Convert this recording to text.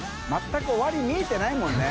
瓦終わり見えてないもんね。